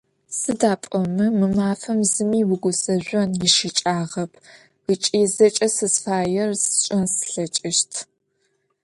Сыда пӏомэ мы мафэм зыми угузэжъон ищыкӏагъэп ыкӏи зэкӏэ сызыфаер сшӏэн слъэкӏыщт.